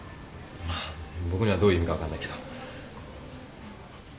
僕にはどういう意味か分かんないけど。